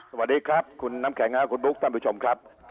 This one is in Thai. สวัสดีครับคุณน้ำแข็งคุณบุ๊คท่านผู้ชมครับ